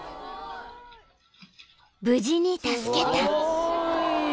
［無事に助けた］